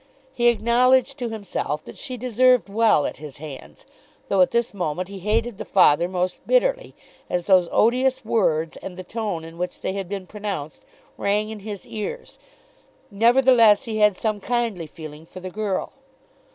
He acknowledged to himself that she deserved well at his hands. Though at this moment he hated the father most bitterly, as those odious words, and the tone in which they had been pronounced, rang in his ears, nevertheless he had some kindly feeling for the girl.